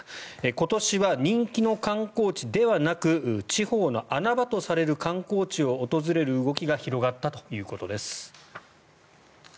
今年は人気の観光地ではなく地方の穴場とされる観光地を訪れる動きが広がったということです。